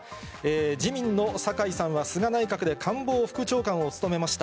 自民の坂井さんは、菅内閣で官房副長官を務めました。